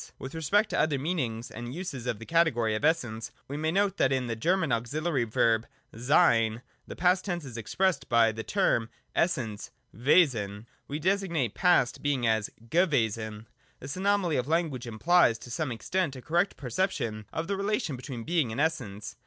With respect to other meanings and uses of the category of Essence, we may note that in the German auxihary verb 'sc/« ' the past tense is expressed by the term for Essence {IVesen) : we designate past being as gewesen. This anomaly of language implies to some ex tent a correct perception of the relation between Being and Essence.